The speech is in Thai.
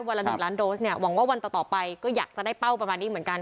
ละ๑ล้านโดสเนี่ยหวังว่าวันต่อไปก็อยากจะได้เป้าประมาณนี้เหมือนกัน